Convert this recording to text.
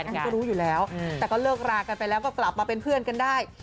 ฉันก็รู้อยู่แล้วแต่ก็เลิกรากันไปแล้วก็กลับมาเป็นเพื่อนกันได้